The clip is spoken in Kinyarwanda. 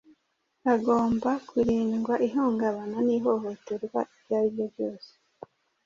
Agomba kurindwa ihungabana n’ihohoterwa iryo ari ryo ryose,